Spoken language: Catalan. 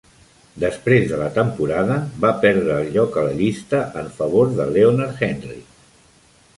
Després de la temporada, va perdre el lloc a la llista en favor de Leonard Henry.